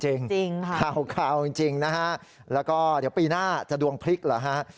จริงค่ะข่าวจริงนะฮะแล้วก็เดี๋ยวปีหน้าจะดวงพลิกเหรอฮะ